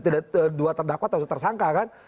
dua terdakwa terus tersangka kan